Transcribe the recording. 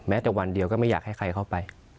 แต่วันเดียวก็ไม่อยากให้ใครเข้าไป